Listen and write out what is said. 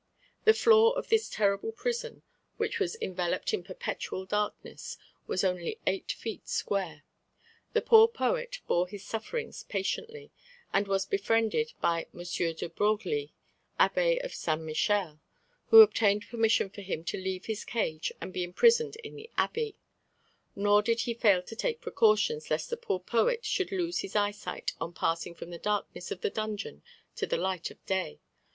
The floor of this terrible prison, which was enveloped in perpetual darkness, was only eight square feet. The poor poet bore his sufferings patiently, and was befriended by M. de Broglie, Abbé of Saint Michel, who obtained permission for him to leave his cage and be imprisoned in the Abbey; nor did he fail to take precautions lest the poor poet should lose his eyesight on passing from the darkness of the dungeon to the light of day.